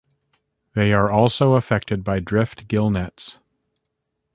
They are also affected by drift gillnets.